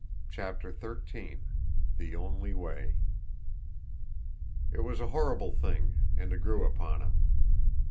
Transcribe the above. CHAPTER XIII THE ONLY WAY It was a horrible thing and it grew upon him.